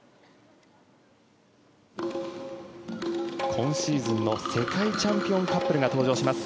今シーズンの世界チャンピオンカップルが登場します。